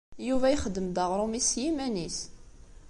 Yuba ixeddem-d aɣṛum-is s yiman-is.